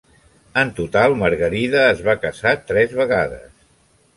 En total, Margarida es va casar tres vegades.